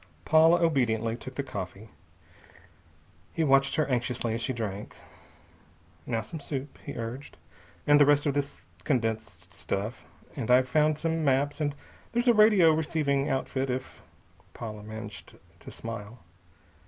Paula obediently took the coffee. He watched her anxiously as she drank. "Now some soup," he urged, "and the rest of this condensed stuff. And I've found some maps and there's a radio receiving outfit if " Paula managed to smile.